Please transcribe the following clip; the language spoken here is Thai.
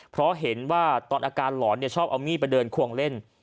เพราะเห็นว่าตอนอาการหลอนชอบเอามีดไปเดินควงเล่น